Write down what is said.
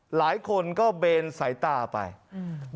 หลายคนก็เบนสายตาไปอืม